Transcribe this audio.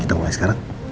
kita mulai sekarang